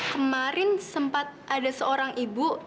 kemarin sempat ada seorang ibu